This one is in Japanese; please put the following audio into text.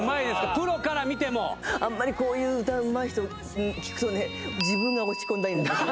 プロかあんまりこういう歌、うまい人聴くとね、自分が落ち込んだり。